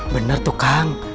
bener tuh kang